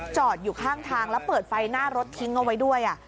จอดอยู่ข้างทางแล้วเปิดไฟหน้ารถทิ้งเอาไว้ด้วย